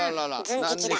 ズン吉だ。